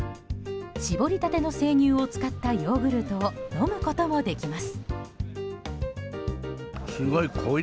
搾りたての生乳を使ったヨーグルトを飲むこともできます。